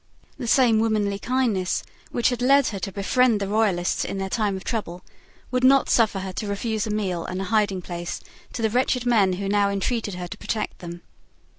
The same womanly kindness, which had led her to befriend the Royalists in their time of trouble, would not suffer her to refuse a meal and a hiding place to the wretched men who now entreated her to protect them.